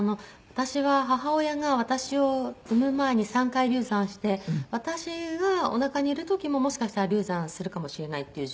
私は母親が私を産む前に３回流産して私がおなかにいる時ももしかしたら流産するかもしれないっていう状況があって。